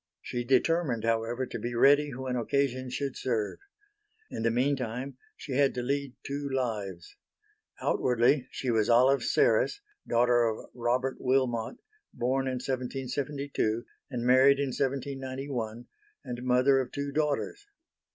She determined however to be ready when occasion should serve. In the meantime she had to lead two lives. Outwardly she was Olive Serres, daughter of Robert Wilmot born in 1772 and married in 1791, and mother of two daughters.